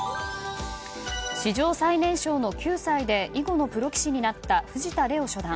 史上最年少の９歳で囲碁のプロ棋士になった藤田怜央初段。